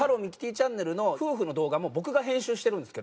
チャンネルの夫婦の動画も僕が編集してるんですけど。